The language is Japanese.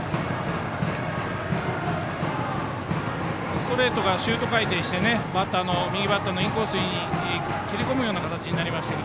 ストレートがシュート回転して右バッターのインコースに切り込むような形になりました。